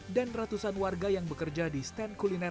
dan ratusan warga yang bekerja di stand kuliner